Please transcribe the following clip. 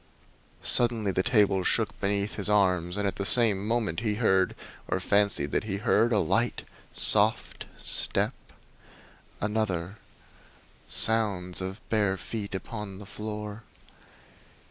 Suddenly the table shook beneath his arms, and at the same moment he heard, or fancied that he heard, a light, soft step another sounds as of bare feet upon the floor!